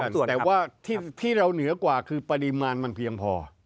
แต่ว่าที่เราเหนือกว่าคือปริมาณมันเพียงพอ